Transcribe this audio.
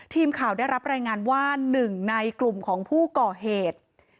ทีมข่าวได้รับรายงานว่าหนึ่งในกลุ่มของผู้ก่อเหตุ